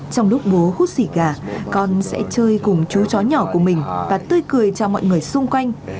trong lúc bố hút xì gà con sẽ chơi cùng chú chó nhỏ của mình và tươi cười cho mọi người xung quanh